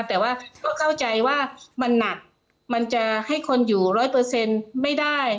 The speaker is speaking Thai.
แต่ว่าก็เข้าใจว่ามันหนักมันจะให้คนอยู่ร้อยเปอร์เซ็นต์ไม่ได้